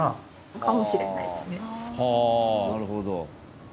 なるほど。